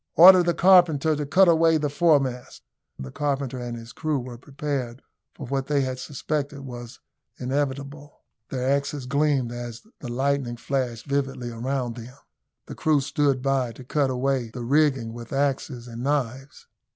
"Order the carpenter to cut away the foremast." The carpenter and his crew were prepared for what they had suspected was inevitable. Their axes gleamed as the lightning flashed vividly around them. The crew stood by to cut away the rigging with axes and knives.